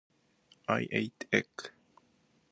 I ate egg.